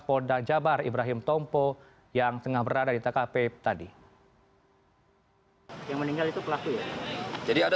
polda jabar ibrahim tompo yang tengah berada di tkp tadi yang meninggal itu pelaku ya jadi ada